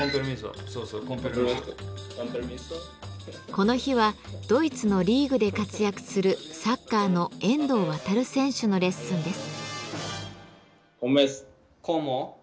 この日はドイツのリーグで活躍するサッカーの遠藤航選手のレッスンです。